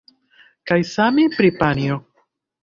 Kaj same pri panjo.